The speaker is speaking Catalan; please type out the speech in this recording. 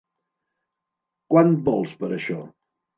Quant vols per això?